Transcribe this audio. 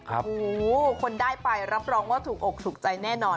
โอ้โหคนได้ไปรับรองว่าถูกอกถูกใจแน่นอน